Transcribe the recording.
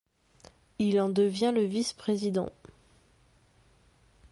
Il en devient le vice-président.